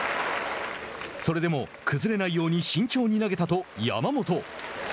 それでも「崩れないように慎重に投げた」と山本。